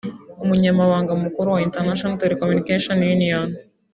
Umunyamabanga Mukuru wa International Telecommunication Union